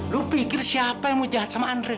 lu pikir siapa yang mau jahat sama andre